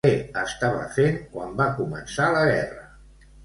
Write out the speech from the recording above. Què estava fent quan va començar la guerra?